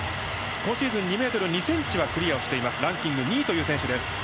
今シーズン２ｍ２ｃｍはクリアしているランキング２位の選手。